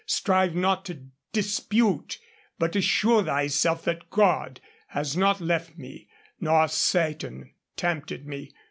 Strive not to dispute, but assure thyself that God has not left me, nor Satan tempted me.